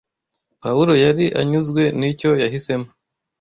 Pawulo yari anyuzwe n’icyo yahisemo.